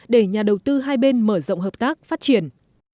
để nhà đầu tư hai bên mở rộng hợp tác phát triển